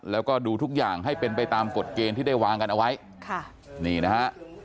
แล้วก็ดูทุกอย่างให้เป็นไปตามกฎเกณฑ์ที่ได้วางกันเอาไว้ค่ะนี่นะฮะ